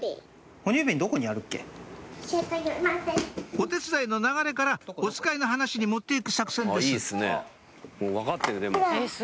お手伝いの流れからおつかいの話に持って行く作戦ですほら。